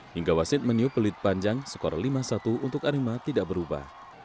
hingga wasit meniup pelit panjang skor lima satu untuk arema tidak berubah